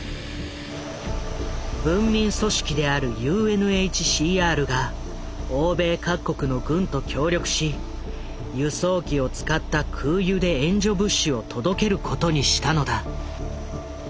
文民組織であるＵＮＨＣＲが欧米各国の軍と協力し輸送機を使った空輸で援助物資を届けることにしたのだ。